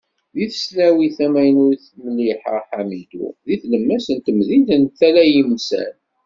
Deg tesnawit tamaynut Mliḥa Hamidu deg tlemmast n temdint n Tala Yemsan.